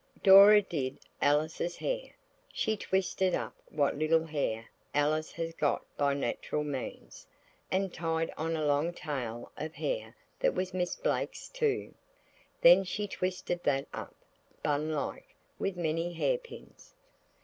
Dora did Alice's hair. She twisted up what little hair Alice has got by natural means, and tied on a long tail of hair that was Miss Blake's too. Then she twisted that up, bun like, with many hairpins.